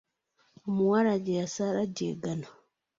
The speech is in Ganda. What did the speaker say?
Omuwala ge yasala ge gano.